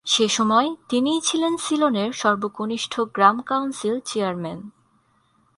সেসময় তিনিই ছিলেন সিলনের সর্বকনিষ্ঠ গ্রাম-কাউন্সিল চেয়ারম্যান।